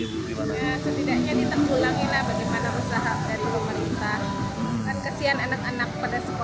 ya setidaknya ditanggulangi lah bagaimana usaha dari pemerintah